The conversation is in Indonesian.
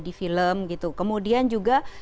di film gitu kemudian juga